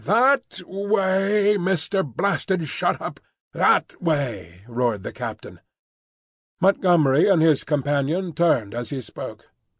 "That way, Mister Blasted Shut up! that way!" roared the captain. Montgomery and his companion turned as he spoke.